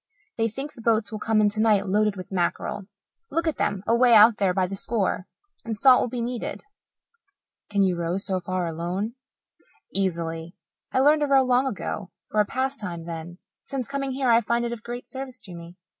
They think the boats will come in tonight loaded with mackerel look at them away out there by the score and salt will be needed." "Can you row so far alone?" "Easily. I learned to row long ago for a pastime then. Since coming here I find it of great service to me."